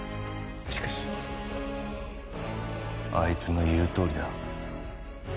しかしあいつの言うとおりだ